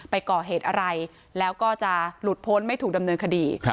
ไปก่อเหตุอะไรแล้วก็จะหลุดพ้นไม่ถูกดำเนินคดี